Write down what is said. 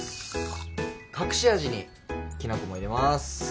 隠し味にきな粉も入れます。